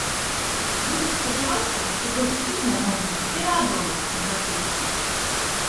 Будзем спадзявацца, што пазітыўныя моманты пераадолеюць негатыўныя.